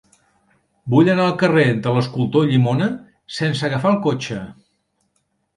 Vull anar al carrer de l'Escultor Llimona sense agafar el cotxe.